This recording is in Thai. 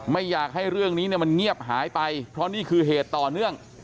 ไม่อยากให้เรื่องนี้มันเงียบหายไปเพราะนี่คือเหตุต่อเนื่อง